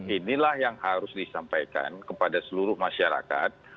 inilah yang harus disampaikan kepada seluruh masyarakat